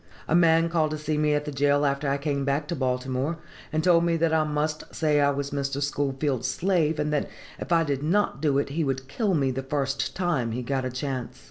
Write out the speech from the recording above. "A man called to see me at the jail after I came back to Baltimore, and told me that I must say I was Mr. Schoolfield's slave, and that if I did not do it he would kill me the first time he got a chance.